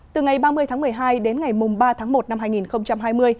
từ ngày ba mươi tháng một mươi hai đến ngày ba tháng một năm hai nghìn hai mươi